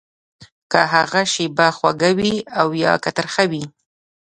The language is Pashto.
که هغه شېبه خوږه وي او يا که ترخه وي.